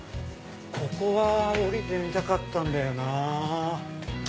ここは降りてみたかったんだよなぁ。